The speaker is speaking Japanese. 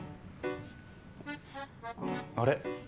あれ？